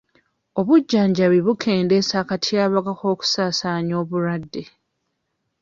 Obujjanjabi bukendeeza akatyabaga k'okusaasaanya obulwadde.